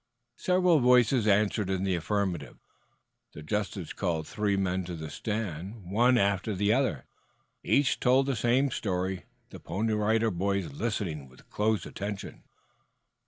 Several voices answered in the affirmative. The justice called three men to the stand, one after the other. Each told the same story, the Pony Rider Boys listening with close attention.